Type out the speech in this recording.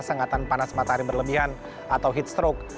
sengatan panas matahari berlebihan atau heat stroke